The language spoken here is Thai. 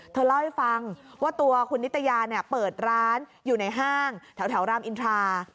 เธอเล่าให้ฟังว่าตัวคุณนิตยาเปิดร้านอยู่ในห้างแถวรามอินทรา